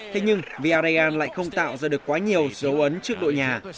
thế nhưng viarrayan lại không tạo ra được quá nhiều dấu ấn trước đội nhà